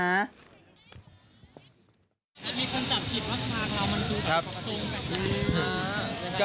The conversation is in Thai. จะมีคนจับผิดว่าคางทรงนี้มันดูแบบศัลยกรรม